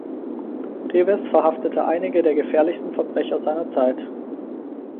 Reeves verhaftete einige der gefährlichsten Verbrecher seiner Zeit.